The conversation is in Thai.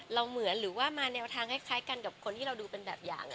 เหมือนหรือว่ามาแนวทางคล้ายกันกับคนที่เราดูเป็นแบบอย่าง